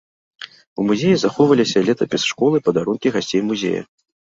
У музеі захоўваліся летапіс школы, падарункі гасцей музея.